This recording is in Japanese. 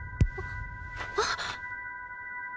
あっ！